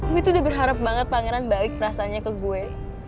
gue tuh udah berharap banget pangeran baik perasaannya ke gue